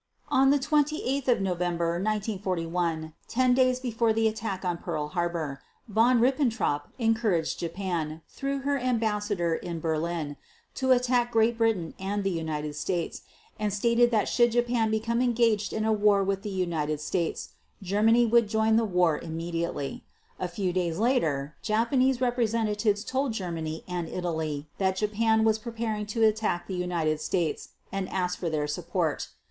On 28 November 1941, 10 days before the attack on Pearl Harbor, Von Ribbentrop encouraged Japan, through her Ambassador in Berlin, to attack Great Britain and the United States, and stated that should Japan become engaged in a war with the United States, Germany would join the war immediately. A few days later, Japanese representatives told Germany and Italy that Japan was preparing to attack the United States, and asked for their support.